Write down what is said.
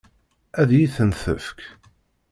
Ad iyi-ten-tefk?